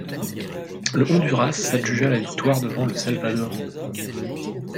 Le Honduras s'adjugea la victoire devant le Salvador.